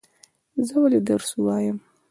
زه ولی درس وایم؟